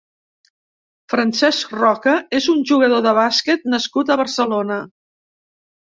Francesc Roca és un jugador de bàsquet nascut a Barcelona.